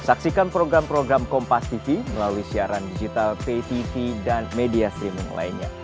saksikan program program kompas tv melalui siaran digital pay tv dan media streaming lainnya